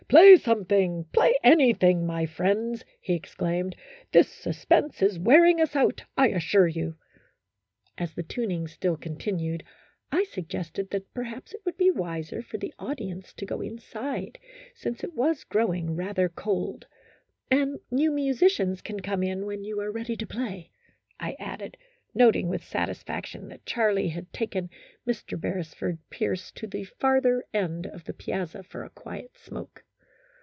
" Play something, play anything, my friends," he exclaimed. "This suspense is wear ing us out, I assure you." As the tuning still continued, I suggested that perhaps it would be wiser for the audience to go inside, since it was growing rather cold ;" and you musicians can come in when you are ready to play," I added, noting with satisfaction that Charlie had taken Mr. Beresford Pierce to the farther end of the piazza for a quiet smoke.